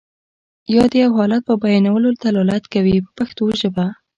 یا د یو حالت په بیانولو دلالت کوي په پښتو ژبه.